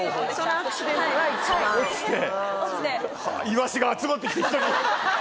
イワシが集まって来て。